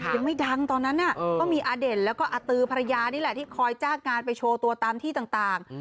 ยังไม่ดังตอนนั้นก็มีอเด่นแล้วก็อาตือภรรยานี่แหละที่คอยจ้างงานไปโชว์ตัวตามที่ต่าง